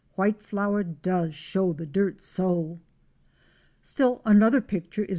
White flour does show the dirt so! Still another picture is Maestro Fic.